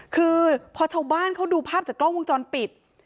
คือพอชาวบ้านเขาดูภาพจากกล้องวงจรปิด